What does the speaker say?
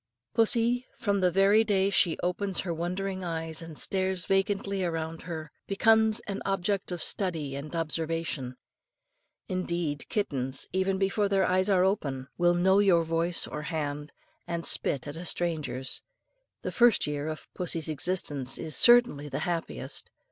Pussy, from the very day she opens her wondering eyes and stares vacantly around her, becomes an object worthy of study and observation. Indeed, kittens, even before their eyes are opened, will know your voice or hand, and spit at a stranger's. The first year of pussy's existence is certainly the happiest.